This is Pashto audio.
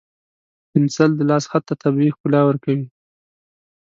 پنسل د لاس خط ته طبیعي ښکلا ورکوي.